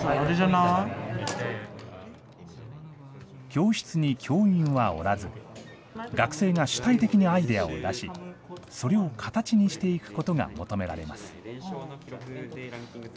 教室に教員はおらず、学生が主体的にアイデアを出し、それを形にしていくことが求められます。